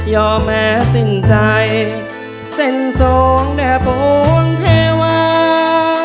แม้สิ้นใจเส้นสองแด่ปวงเทวา